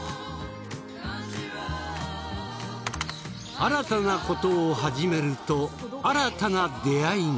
新たなことを始めると新たな出会いが。